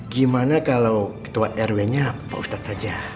gimana kalau ketua rw nya pak ustadz saja